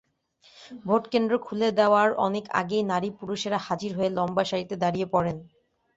ভোটকেন্দ্র খুলে দেওয়ার অনেক আগেই নারী-পুরুষেরা হাজির হয়ে লম্বা সারিতে দাঁড়িয়ে পড়েন।